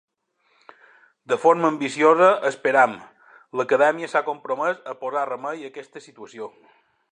De forma ambiciosa, esperem, l'Acadèmia s'ha compromès a posar remei a aquesta situació.